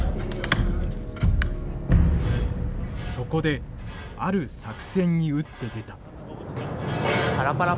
そこである作戦に打って出た。